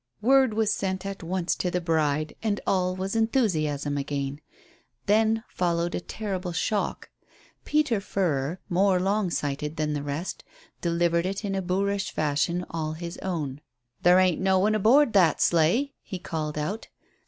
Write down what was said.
Word was sent at once to the bride, and all was enthusiasm again. Then followed a terrible shock. Peter Furrer, more long sighted than the rest, delivered it in a boorish fashion all his own. "Ther' ain't no one aboard of that sleigh," he called out.